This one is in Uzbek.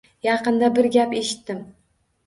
Yaqinda bir gap eshitdim.